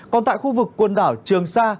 còn tại khu vực quần đảo trường sa